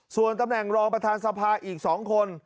ส่วนตำแหน่งรองประธานสภาอีก๒คน